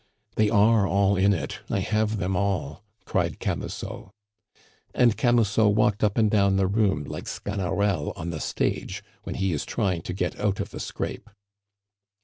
"They are all in it; I have them all!" cried Camusot. And Camusot walked up and down the room like Sganarelle on the stage when he is trying to get out of a scrape.